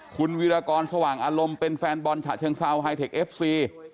คุณวิรากรสว่างอารมณ์เป็นแฟนบอลฉะเชิงเซาไฮเทคเอฟซี